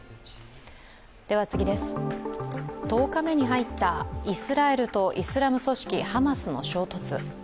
１０日目に入ったイスラエルとイスラム組織ハマスの衝突。